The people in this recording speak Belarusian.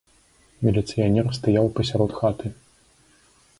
Міліцыянер стаяў пасярод хаты.